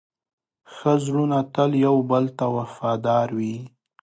ښه زړونه تل یو بل ته وفادار وي.